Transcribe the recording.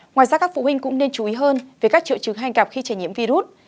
ngoài ra các phụ huynh cũng nên chú ý hơn về các triệu chứng hành cạp khi chảy nhiễm virus